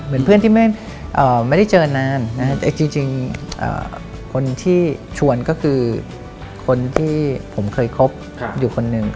เพื่อนที่ไม่ได้เจอนานนะครับจริงคนที่ชวนก็คือคนที่ผมเคยคบอยู่คนหนึ่ง